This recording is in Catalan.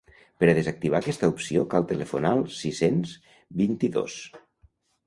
Per a desactivar aquesta opció cal telefonar al sis-cents vint-i-dos.